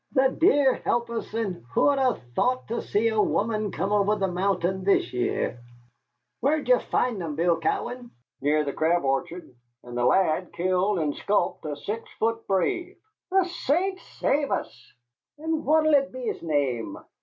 The dear help us, and who'd 'ave thought to see a woman come over the mountain this year! Where did ye find them, Bill Cowan?" "Near the Crab Orchard, and the lad killed and sculped a six foot brave." "The saints save us! And what 'll be his name?"